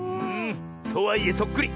とはいえそっくり！